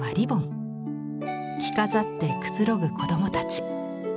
着飾ってくつろぐ子供たち。